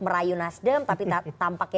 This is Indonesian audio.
merayu nasdem tapi tampaknya